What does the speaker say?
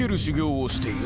をしている。